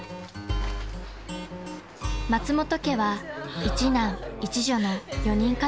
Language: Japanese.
［松本家は１男１女の４人家族］